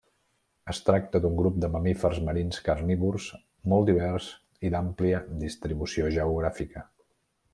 Es tracta d'un grup de mamífers marins carnívors molt divers i d'àmplia distribució geogràfica.